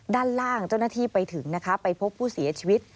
ด้านล่างเจ้าหน้าที่ไปถึงนะคะไปพบผู้เสียชีวิต